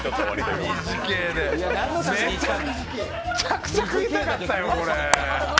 めちゃくちゃ食いたかったよ、これ。